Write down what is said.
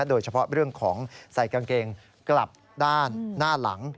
โดยเฉพาะเรื่องของใส่กางเกงกลับด้านหน้าหลัง